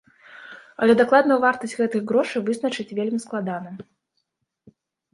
Але дакладную вартасць гэтых грошай вызначыць вельмі складана.